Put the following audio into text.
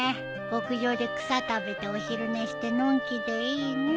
牧場で草食べてお昼寝してのんきでいいね。